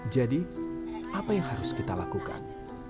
jadi apa yang harus kita lakukan